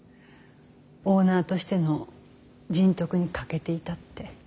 オーナーとしての人徳に欠けていたって。